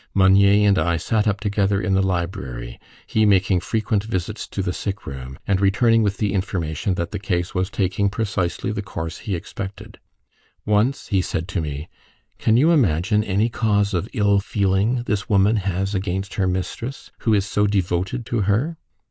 Meunier and I sat up together in the library, he making frequent visits to the sick room, and returning with the information that the case was taking precisely the course he expected. Once he said to me, "Can you imagine any cause of ill feeling this woman has against her mistress, who is so devoted to her?"